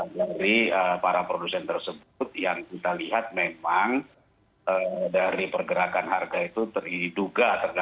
dari para produsen tersebut yang kita lihat memang dari pergerakan harga itu terduga